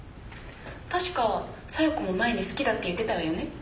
確か小夜子も前に好きだって言ってたわよね？